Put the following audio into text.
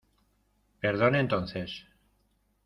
perdone entonces.